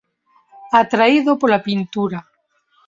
Atraído pola pintura.